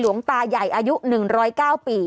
หลวงตาใหญ่อายุ๑๐๙ปี